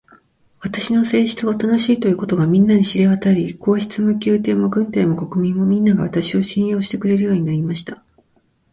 私の性質がおとなしいということが、みんなに知れわたり、皇帝も宮廷も軍隊も国民も、みんなが、私を信用してくれるようになりました。